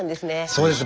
そうです。